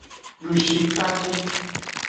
Dushikpaji.